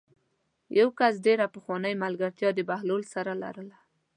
یوه کس ډېره پخوانۍ ملګرتیا د بهلول سره لرله.